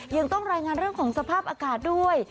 ยังต้องรายงานเรื่องของสภาพอากาศด้วย